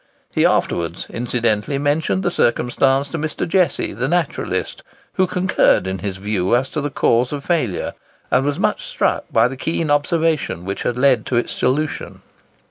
He afterwards incidentally mentioned the circumstance to Mr. Jesse the naturalist, who concurred in his view as to the cause of failure, and was much struck by the keen observation which had led to its solution.